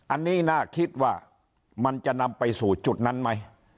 อันนี้น่าคิดว่ามันจะนำไปสู่จุดนั้นไหม